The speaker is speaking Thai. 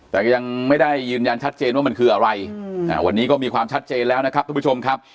แต่ก็ยังไม่ได้ยืนยันชัดเจนว่ามันคืออะไรวันนี้ก็มีความชัดเจนแล้วนะครับทุกผู้ชมครับ